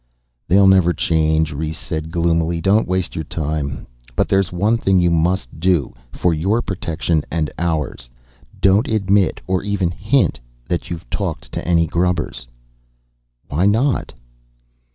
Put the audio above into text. "They'll never change," Rhes said gloomily, "so don't waste your time. But there is one thing you must do, for your protection and ours. Don't admit, or even hint, that you've talked to any grubbers!" "Why not?"